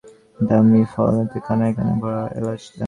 কুমু রুমালটা তুলে নিয়ে দেখে সেই দামী ফলদানিতে কানায়-কানায় ভরা এলাচদানা।